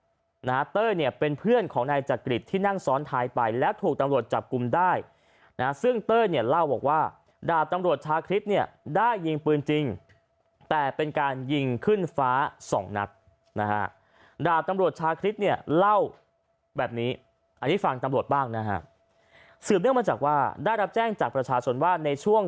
นะฮะเต้ยเนี่ยเป็นเพื่อนของนายจักริตที่นั่งซ้อนท้ายไปแล้วถูกตำรวจจับกลุ่มได้นะซึ่งเต้ยเนี่ยเล่าบอกว่าดาบตำรวจชาคริสเนี่ยได้ยิงปืนจริงแต่เป็นการยิงขึ้นฟ้าสองนัดนะฮะดาบตำรวจชาคริสเนี่ยเล่าแบบนี้อันนี้ฟังตำรวจบ้างนะฮะสืบเนื่องมาจากว่าได้รับแจ้งจากประชาชนว่าในช่วง